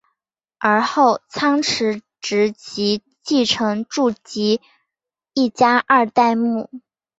而后仓持直吉继承住吉一家二代目。